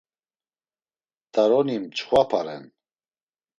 T̆aroni mçxvapa ren.